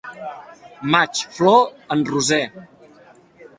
Maig, flor en roser.